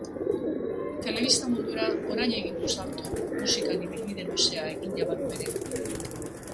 Telebista mundura orain egin du salto musikan ibilbide luzea egina badu ere.